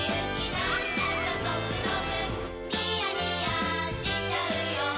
なんだかゾクゾクニヤニヤしちゃうよ